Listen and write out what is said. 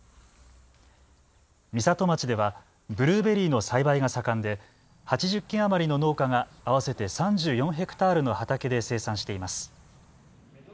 美里町ではブルーベリーの栽培が盛んで８０軒余りの農家が合わせて３４ヘクタールの畑で生産しています。